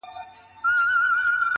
كوم اكبر به ورانوي د فرنګ خونه-